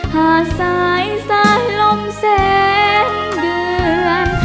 หาสายสายลมเส้นเดือน